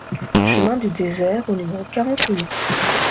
Chemin du Désert au numéro quarante-huit